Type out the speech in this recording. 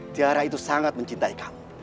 tiara itu sangat mencintai kamu